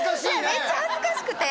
めっちゃ恥ずかしくて